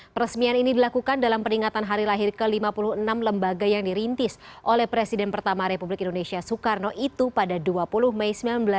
peresmian ini dilakukan dalam peringatan hari lahir ke lima puluh enam lembaga yang dirintis oleh presiden pertama republik indonesia soekarno itu pada dua puluh mei seribu sembilan ratus enam puluh